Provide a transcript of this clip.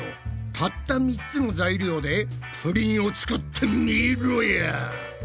たった３つの材料でプリンを作ってみろや！